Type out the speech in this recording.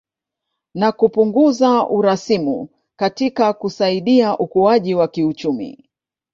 Na kupunguza urasimu katika kusaidia ukuaji wa kiuchumi